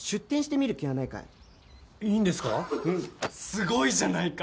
すごいじゃないか！